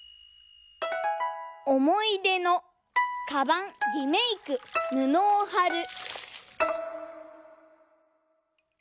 「おもいでのカバンリメイクぬのをはる」。